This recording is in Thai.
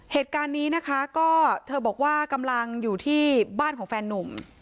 เหตุการณ์นี้นะคะก็เธอบอกว่ากำลังอยู่ที่บ้านของแฟนนุ่ม